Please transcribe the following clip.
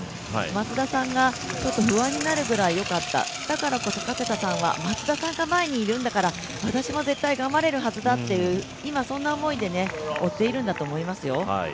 松田さんが、不安になるぐらい良かった、だからこそ加世田さんは松田さんが前にいるんだから私も絶対に頑張れるはずだっていう、今、そういう思いで追っているんだと思いますよ。